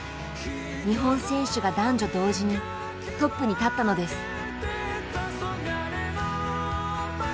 日本選手が男女同時にトップに立ったのです。